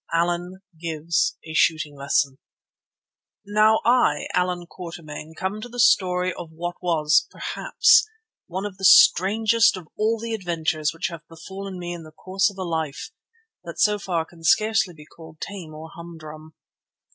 ALLAN GIVES A SHOOTING LESSON Now I, Allan Quatermain, come to the story of what was, perhaps, one of the strangest of all the adventures which have befallen me in the course of a life that so far can scarcely be called tame or humdrum.